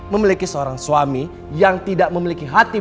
memiliki seorang suami yang tidak memiliki hati